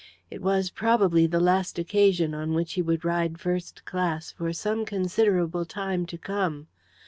It was, probably, the last occasion on which he would ride first class for some considerable time to come.